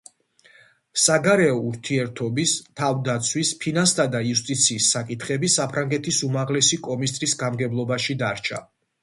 საგარეო ურთიერთობის, თავდაცვის, ფინანსთა და იუსტიციის საკითხები საფრანგეთის უმაღლესი კომისრის გამგებლობაში დარჩა.